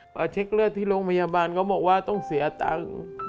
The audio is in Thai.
พอเช็คเลือดที่โรงพยาบาลเขาบอกว่าต้องเสียตังค์